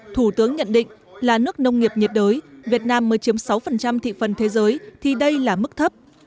thủ tướng nhận định là nước nông nghiệp nhiệt đới việt nam mới chiếm sáu thị phần thế giới thì đây là mức thấp